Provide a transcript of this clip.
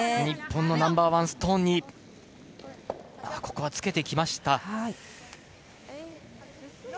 日本のナンバーワンストーンにここはつけてきました。